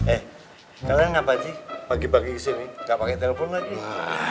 eh kalian ngapain sih pagi pagi kesini gak pakai telepon lagi